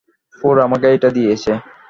Four আমাকে এটা দিয়েছে।